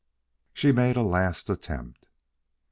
She made a last attempt.